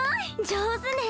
上手ね！